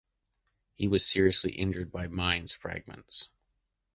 He was seriously injured by mines fragments.